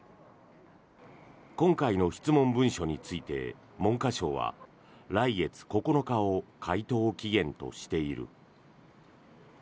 今回の質問文書について文科省は来月９日を回答期限としている。